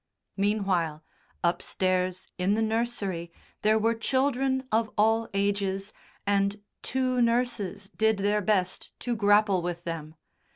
Meanwhile, upstairs in the nursery there were children of all ages, and two nurses did their best to grapple with them.